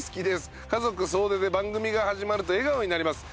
家族総出で番組が始まると笑顔になれます。